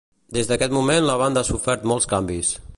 Des d'aquest moment la banda ha sofert molts canvis.